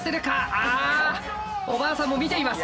あおばあさんも見ています。